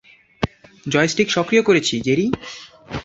Joystick সক্রিয় করেছি, Jerry.